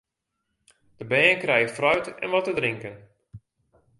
De bern krije fruit en wat te drinken.